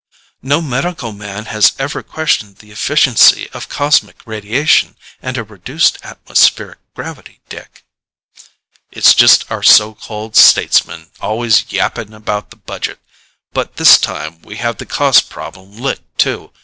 "No medical man has ever questioned the efficiency of cosmic radiation and a reduced atmospheric gravity, Dick." "It's just our so called statesmen, always yapping about the budget. But this time we have the cost problem licked, too.